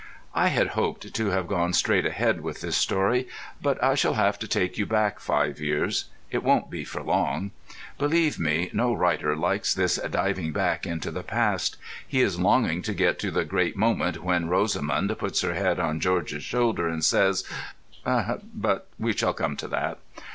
I had hoped to have gone straight ahead with this story, but I shall have to take you back five years; it won't be for long. Believe me, no writer likes this diving back into the past. He is longing to get to the great moment when Rosamund puts her head on George's shoulder and says—but we shall come to that.